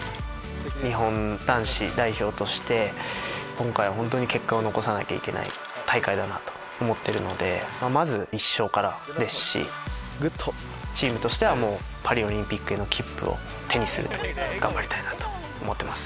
日本男子代表として今回結果を残さなきゃいけない大会だと思ってるのでまず１勝からですしチームとしてはパリオリンピックへの切符を手にするため頑張りたいなと思ってます。